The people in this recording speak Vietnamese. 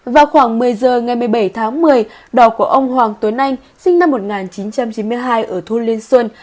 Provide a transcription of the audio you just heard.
vào khoảng một mươi giờ ngày một mươi bảy tháng một mươi đò của ông hoàng tuấn anh sinh năm một nghìn chín trăm chín mươi hai ở thôn liên xuân